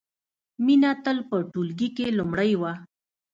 مینه تل په ټولګي کې لومړۍ وه